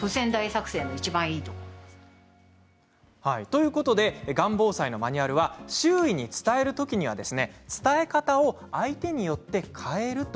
ということでがん防災のマニュアルは周囲に伝える時は伝え方を相手によって変える